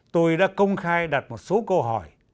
tôi đã công khai đặt một số câu hỏi